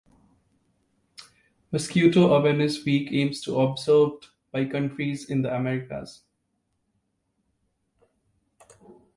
Mosquito Awareness Week aims to observed by countries in the Americas.